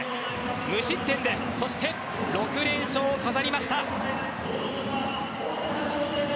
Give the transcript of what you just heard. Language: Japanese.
無失点でそして、６連勝を飾りました！